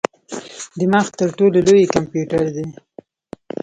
دماغ تر ټولو لوی کمپیوټر دی.